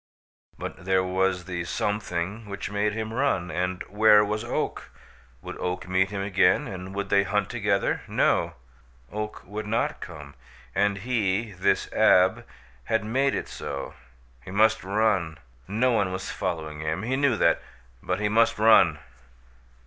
But there was the something which made him run. And where was Oak? Would Oak meet him again and would they hunt together? No, Oak would not come, and he, this Ab, had made it so! He must run. No one was following him he knew that but he must run!